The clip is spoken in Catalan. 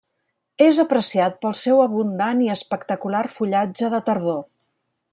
És apreciat pel seu abundant i espectacular fullatge de tardor.